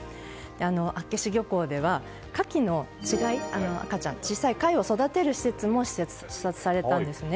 厚岸漁港では、カキの稚貝小さな赤ちゃんを育てる施設も視察されたんですね。